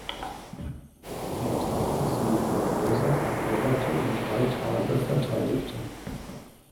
Etappe das Maglia Rosa eroberte und drei Tage verteidigte.